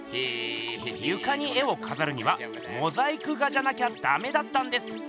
ゆかに絵をかざるにはモザイク画じゃなきゃだめだったんです。